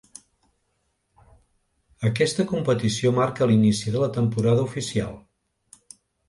Aquesta competició marca l'inici de la temporada oficial.